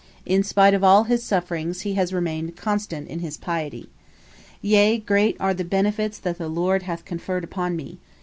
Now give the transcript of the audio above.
In spite of all his sufferings he has remained constant in his piety. Yea, great are the benefits that the Lord hath conferred upon me.